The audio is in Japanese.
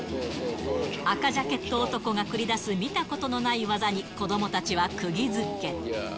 赤ジャケット男が繰り出す見たことのない技に、子どもたちはくぎづけ。